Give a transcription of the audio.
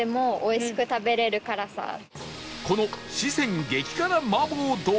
この四川激辛麻婆豆腐